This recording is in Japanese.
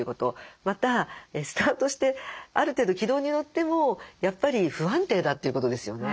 またスタートしてある程度軌道に乗ってもやっぱり不安定だということですよね。